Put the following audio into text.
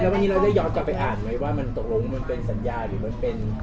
แล้ววันนี้เราได้ยอดจะไปอ่านไหมว่ามันตกลงมันเป็นสัญญาณหรือเป็น